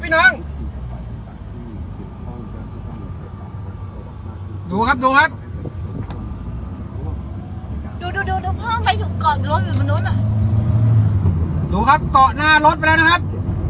ดูครับเกาะหน้ารถไปแล้วนะครับ